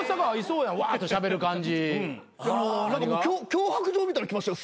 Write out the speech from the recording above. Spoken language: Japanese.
脅迫状みたいの来ましたよ。